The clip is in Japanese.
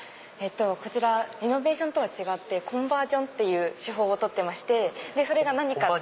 こちらリノベーションとは違ってコンバージョンっていう手法をとってまして。